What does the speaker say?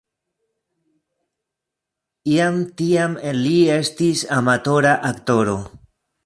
Jam tiam li estis amatora aktoro.